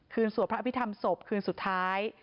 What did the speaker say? สวดพระอภิษฐรรมศพคืนสุดท้าย